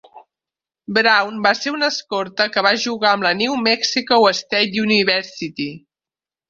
Brown va ser un escorta que va jugar amb la New Mexico State University.